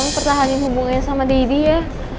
mau pertahankan hubungannya sama didi ya